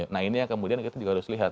nah ini yang kemudian kita juga harus lihat